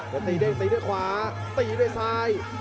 ก็ทีเด้งด้วยขวาทีด้วยซ้าย